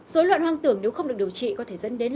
dối loạn hoang tưởng nếu không được điều trị có thể dẫn đến